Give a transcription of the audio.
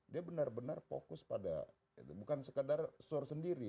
dia benar benar fokus pada bukan sekadar sour sendiri